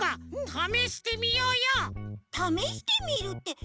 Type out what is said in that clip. ためしてみるってどうやって？